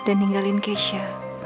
dan ninggalin keisha